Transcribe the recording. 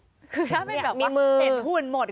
คือถ้าว่าเห็นหุ่นหมด